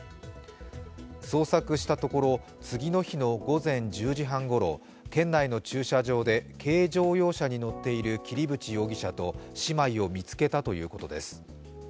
捜索したところ、次の日の午前１０時半ごろ県内の駐車場で、軽乗用車に乗っている桐淵容疑者と姉妹を見つけたということです。